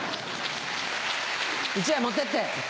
１枚持ってって。